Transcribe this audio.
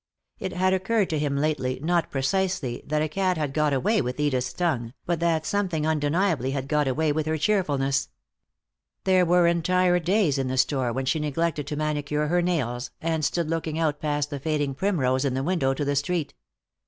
It had occurred to him lately, not precisely that a cat had got away with Edith's tongue, but that something undeniably had got away with her cheerfulness. There were entire days in the store when she neglected to manicure her nails, and stood looking out past the fading primrose in the window to the street.